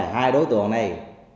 hai đối tượng này